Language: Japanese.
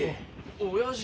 親父。